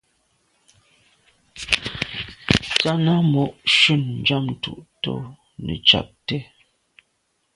Tshana mo’ nshun Njantùn to’ netshabt’é.